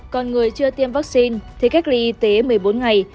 còn người chưa tiêm vaccine thì cách ly y tế một mươi bốn ngày